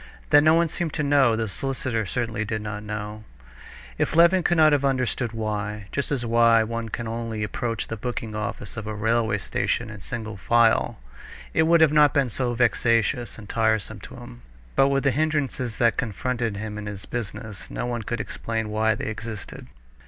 That no one seemed to know; the solicitor certainly did not know. If Levin could have understood why, just as he saw why one can only approach the booking office of a railway station in single file, it would not have been so vexatious and tiresome to him. But with the hindrances that confronted him in his business, no one could explain why they existed.